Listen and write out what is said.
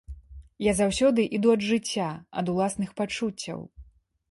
Я заўсёды іду ад жыцця, ад уласных пачуццяў.